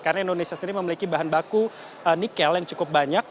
karena indonesia sendiri memiliki bahan baku nikel yang cukup banyak